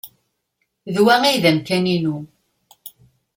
D wa ay d amkan-inu.